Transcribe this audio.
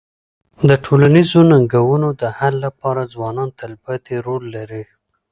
د ټولنیزو ننګونو د حل لپاره ځوانان تلپاتې رول لري.